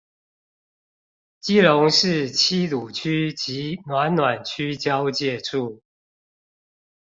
基隆市七堵區及暖暖區交界處